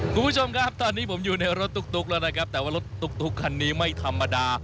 คุณผู้ชมครับตอนนี้ผมอยู่ในรถตุ๊กแล้วนะครับแต่ว่ารถตุ๊กคันนี้ไม่ธรรมดา